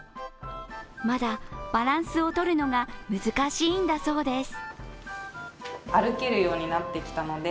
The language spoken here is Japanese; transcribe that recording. まだバランスを取るのが難しいんだそうです。